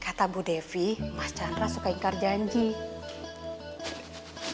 kata bu devi mas chandra suka ingkar janji